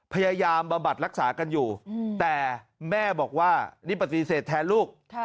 บำบัดรักษากันอยู่แต่แม่บอกว่านี่ปฏิเสธแทนลูก